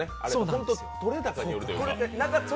本当にとれたかによるというか。